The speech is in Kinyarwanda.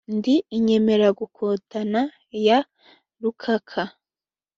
ndi inyemeragukotana ya rukaka